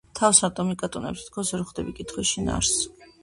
თავს რატომ იკატუნებ, თითქოს ვერ ხვდები კითხვის შინაარსს?